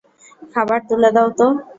খাবার তুলে দাও তো!